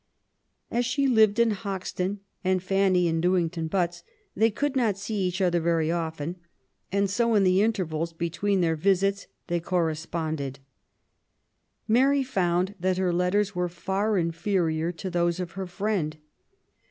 As she lived in Hoxton and Fanny in Newington Butts, they could not see each other very often, and so in the intervals between their visits they corresponded. Mary found that her letters were far inferior to those of her friend.